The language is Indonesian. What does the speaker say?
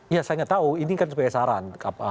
ya saya nggak tahu ini kan sebagai saran